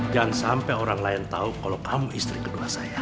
jangan sampai orang lain tahu kalau kamu istri kedua saya